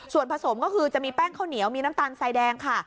ส่วนผสมก็คือจะมีแป้งข้าวเหนียวมีน้ำตาลสายแดงค่ะ